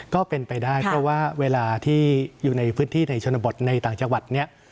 ก็เป็นไปได้เพราะว่าเวลาที่อยู่ในพื้นที่ในชนบทในต่างจังหวัดเนี่ย